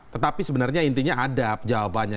tetapi sebenarnya intinya ada jawabannya